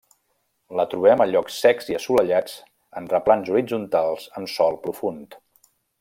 La trobem a llocs secs i assolellats en replans horitzontals amb sòl profund.